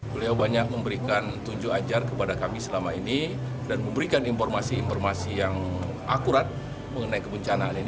beliau banyak memberikan tunjuk ajar kepada kami selama ini dan memberikan informasi informasi yang akurat mengenai kebencanaan ini